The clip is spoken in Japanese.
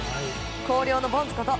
広陵のボンズこと